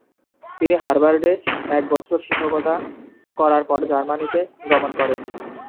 তিনি হার্ভার্ডে এক বছর শিক্ষকতা করার পর জার্মানিতে গমন করেন।